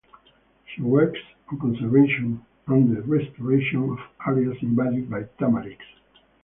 She works on conservation and the restoration of areas invaded by Tamarix.